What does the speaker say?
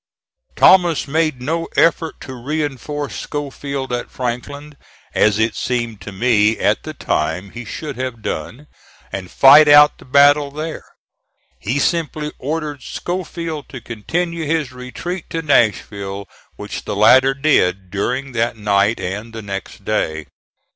Thomas made no effort to reinforce Schofield at Franklin, as it seemed to me at the time he should have done, and fight out the battle there. He simply ordered Schofield to continue his retreat to Nashville, which the latter did during that night and the next day.